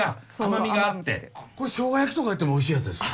これしょうが焼きとかやってもおいしいやつですか？